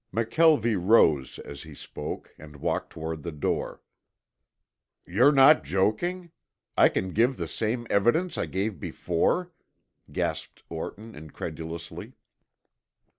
McKelvie rose as he spoke, and walked toward the door. "You're not joking? I can give the same evidence I gave before?" gasped Orton incredulously.